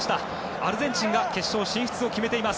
アルゼンチンが決勝進出を決めています。